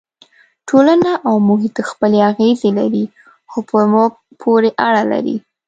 ټولنه او محیط خپلې اغېزې لري خو په موږ پورې اړه لري.